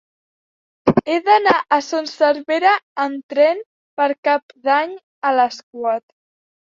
He d'anar a Son Servera amb tren per Cap d'Any a les quatre.